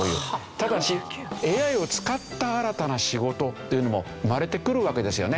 ただしＡＩを使った新たな仕事っていうのも生まれてくるわけですよね。